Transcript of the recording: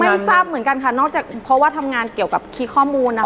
ไม่ทราบเหมือนกันค่ะนอกจากเพราะว่าทำงานเกี่ยวกับขี้ข้อมูลนะคะ